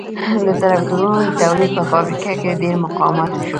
د ترکتورونو د تولید په فابریکه کې ډېر مقاومت وشو